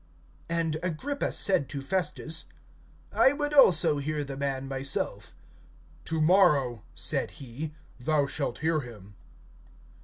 (22)And Agrippa said to Festus: I would also hear the man myself. To morrow, said he, thou shalt hear him.